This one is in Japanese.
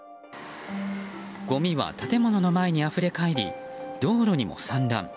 ごみは、建物の前にあふれ返り道路にも散乱。